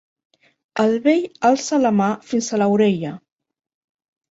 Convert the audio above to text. El vell alça la mà fins a l'orella.